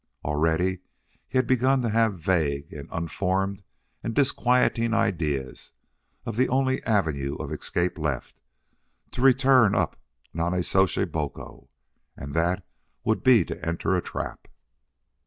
Already he had begun to have vague and unformed and disquieting ideas of the only avenue of escape left to return up Nonnezoshe Boco and that would be to enter a trap.